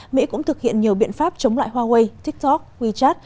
mỹ cũng thực hiện nhiều biện pháp chống lại huawei tiktok wechat